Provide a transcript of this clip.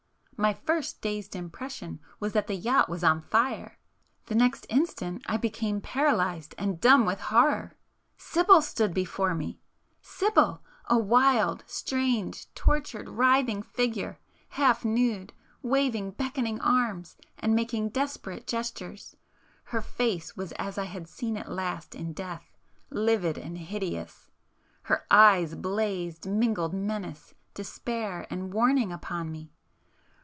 My first dazed impression was that the yacht was on fire,—the next instant I became paralysed and dumb with horror. Sibyl stood before me! ... Sibyl, a wild, strange, tortured writhing figure, half nude, waving beckoning arms, and making desperate gestures,—her face [p 454] was as I had seen it last in death, livid and hideous, ... her eyes blazed mingled menace, despair, and warning upon me!